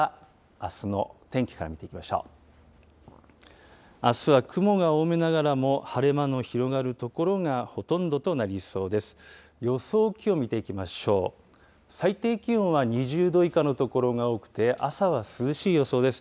あすは雲が多めながらも、晴れ間の広がる所がほとんどとなりそうです。